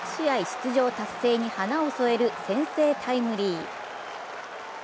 出場達成に花を添える先制タイムリー。